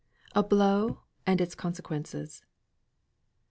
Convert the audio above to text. A BLOW AND ITS CONSEQUENCES.